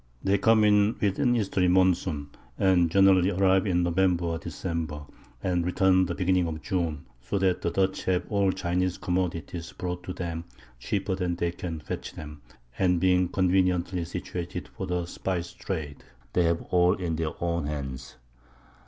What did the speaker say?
They come in with an Easterly Monsoon, and generally arrive in November or December, and return the Beginning of June, so that the Dutch have all Chineze Commodities brought to them cheaper than they can fetch them; and being conveniently situated for the Spice Trade, they have all in their own Hands.